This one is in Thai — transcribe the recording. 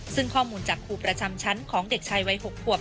ซึ่งข้อมูลจากครูประจำชั้นของเด็กชายวัย๖ขวบ